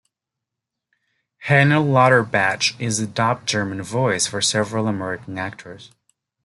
Heiner Lauterbach is the dubbed German voice for several American actors.